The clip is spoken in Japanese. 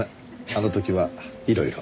あの時はいろいろ。